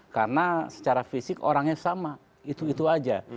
karena secara fisik orangnya sama itu itu saja